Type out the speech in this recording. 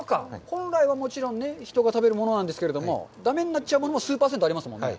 本来はもちろん人が食べるものなんですけど、だめになっちゃうものが数％ありますからね。